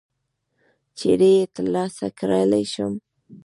چیري یې ترلاسه کړلای شم ؟